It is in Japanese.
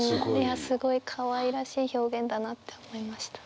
すごいかわいらしい表現だなって思いました。